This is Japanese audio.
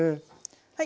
はい。